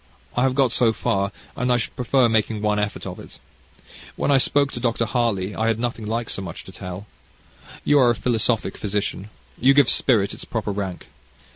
I have got so far, and I should prefer making one effort of it. When I spoke to Dr. Harley, I had nothing like so much to tell. You are a philosophic physician. You give spirit its proper rank.